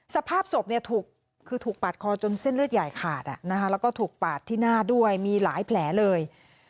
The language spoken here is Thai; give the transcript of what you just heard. สภาพศพคือถูกปาดคอจนเส้นเลือดใหญ่ขาดแล้วก็ถูกปาดที่หน้าด้วยมีหลายแผลเลย